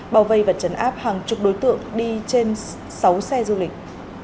bao vây và chấn áp hàng chục đối tượng đi trên sáu xe du lịch